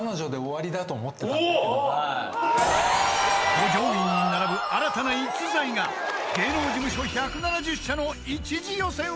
［五条院に並ぶ新たな逸材が芸能事務所１７０社の一次予選を突破！］